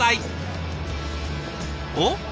おっ？